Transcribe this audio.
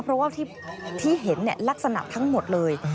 เพราะว่าที่เห็นลักษณะทั้งหมดเลย